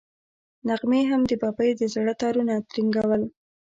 نغمې هم د ببۍ د زړه تارونه ترنګول.